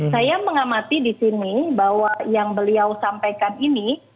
saya mengamati di sini bahwa yang beliau sampaikan ini